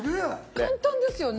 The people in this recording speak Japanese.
簡単ですよね。